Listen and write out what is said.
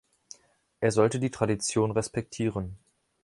Er sollte die Tradition respektieren.